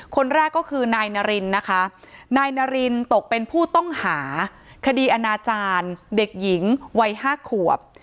คนแรกก็คือนายนารินนะคะนายนารินตกเป็นผู้ต้องหาคดีอนาจารย์เด็กหญิงวัย๕ขวบ